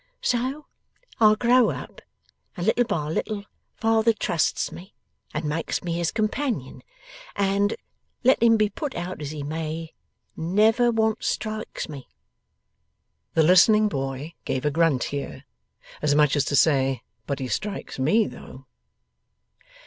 So, I grow up, and little by little father trusts me, and makes me his companion, and, let him be put out as he may, never once strikes me.' The listening boy gave a grunt here, as much as to say 'But he strikes ME though!